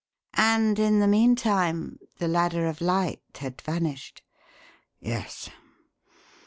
"And in the meantime, the Ladder of Light had vanished?" "Yes.